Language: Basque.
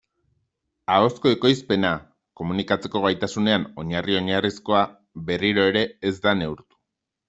Ahozko ekoizpena, komunikatzeko gaitasunean oinarri-oinarrizkoa, berriro ere ez da neurtu.